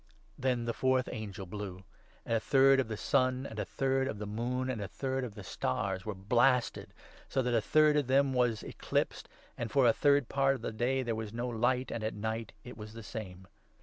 Then the fourth angel blew ; and a third of the sun and a 12 third of the moon and a third of the stars were blasted, so that a third of them was eclipsed, and for a third part of the day there was no light, and at night it was the same.